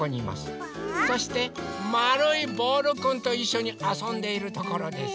そしてまるいボールくんといっしょにあそんでいるところです。